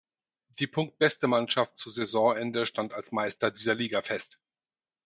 Die punktbeste Mannschaft zu Saisonende stand als Meister dieser Liga fest.